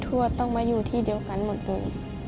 วดต้องมาอยู่ที่เดียวกันหมดเลย